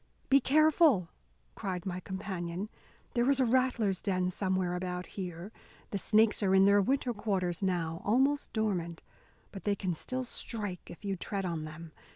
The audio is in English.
"Be careful," cried my companion, "there is a rattlers' den somewhere about here. The snakes are in their winter quarters now, almost dormant, but they can still strike if you tread on them.